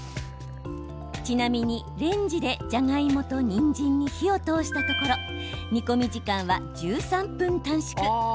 ちなみにレンジで、じゃがいもとにんじんに火を通したところ煮込み時間は１３分短縮。